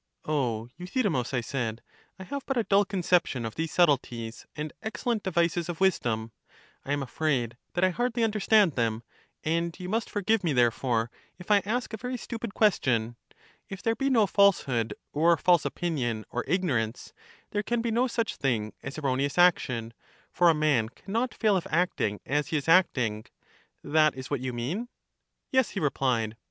O Euthydemus, I said, I have but a dull conception 244 EUTHYDEMUS of these subtleties and excellent devices of wisdom ; I am afraid that I hardly understand them, and you must forgive me therefore if I ask a very stupid ques tion: if there be no falsehood or false opinion or ignorance, there can be no such thing as erroneous action, for a man can not fail of acting as he is acting — that is what you mean? Yes, he replied.